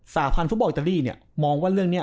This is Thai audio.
สาพันธ์ฟุตบอลอิตาลีเนี่ยมองว่าเรื่องนี้